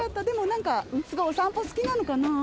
でも何かすごいお散歩好きなのかな。